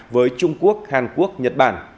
với trung quốc hàn quốc nhật bản